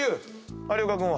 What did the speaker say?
有岡君は？